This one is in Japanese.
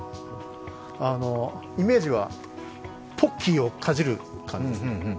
イメージはポッキーをかじる感じです。